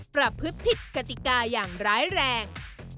ประพฤติผิดกติกาอย่างร้ายแรง